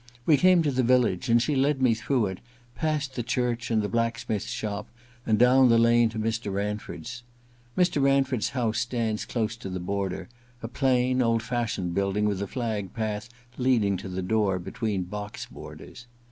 We came to the village and she led me through it, past the church and the blacksmith's shop, and down the lane to Mr. Ranford's. Mr. Ranford's house stands close to the road : a plain old fashioned building, with a flagged path leading to the door between box borders.